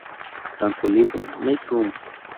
Tanto el libro "Make Room!